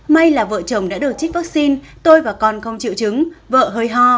may là vợ chồng đã được trích vaccine tôi và con không chịu chứng vợ hơi ho